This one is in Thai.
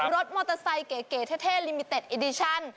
รถมอเตอร์ไซค์เก๋เท่ลิมิเต็ดอิดิชั่น